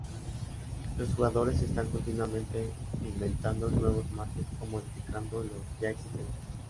Los jugadores están continuamente inventando nuevos mates o modificando los ya existentes.